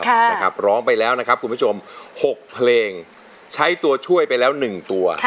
นะครับร้องไปแล้วนะครับคุณผู้ชมหกเพลงใช้ตัวช่วยไปแล้วหนึ่งตัว